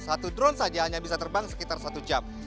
satu drone saja hanya bisa terbang sekitar satu jam